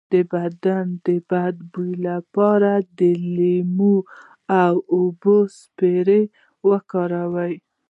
د بدن د بد بوی لپاره د لیمو او اوبو سپری وکاروئ